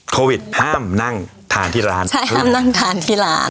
โควิดห้ามนั่งทานที่ร้านใช่ห้ามนั่งทานที่ร้าน